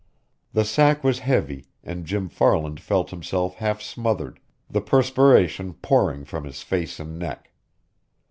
The sack was heavy, and Jim Farland felt himself half smothered, the perspiration pouring from his face and neck.